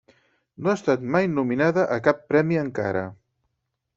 No ha estat mai nominada a cap premi encara.